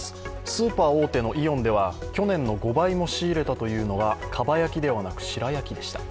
スーパー大手のイオンでは、去年の５倍も仕入れたというのがかば焼きではなく白焼きでした。